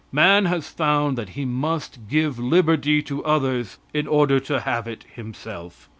Man has found that he must give liberty to others in order to have it himself.